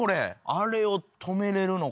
あれを止めれるのか。